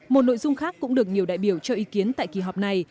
một nội dung khác cũng được nhiều đại biểu cho ý kiến tại kỳ họp này